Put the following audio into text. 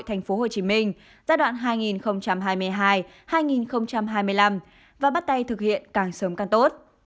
thành phố hồ chí minh giai đoạn hai nghìn hai mươi hai hai nghìn hai mươi năm và bắt tay thực hiện càng sớm càng tốt